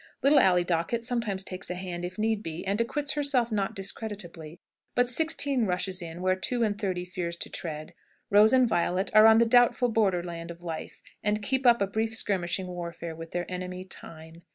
Little Ally Dockett sometimes takes a hand, if need be, and acquits herself not discreditably; but sixteen rushes in where two and thirty fears to tread. Rose and Violet are on the doubtful border land of life, and keep up a brisk skirmishing warfare with their enemy, Time.